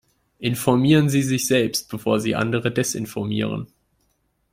Informieren Sie sich selbst, bevor Sie andere desinformieren.